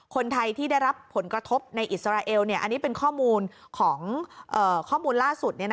คนไทยที่ได้รับผลกระทบในอิสราเอลอันนี้เป็นข้อมูลของข้อมูลล่าสุด